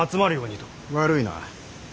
悪いな。